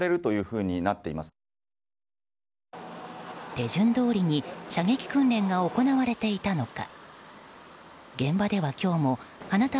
手順どおりに射撃訓練が行われていたのか。